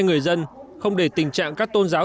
người dân không để tình trạng các tôn giáo